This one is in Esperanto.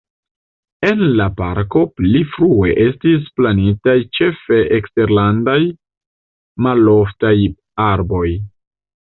En la parko pli frue estis plantitaj ĉefe eksterlandaj maloftaj arboj.